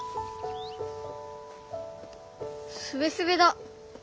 すべすべだ。